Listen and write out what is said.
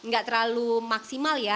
gak terlalu maksimal ya